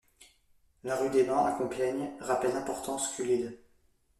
La rue des Bains à Compiègne rappelle l'importance qu'eut l'île.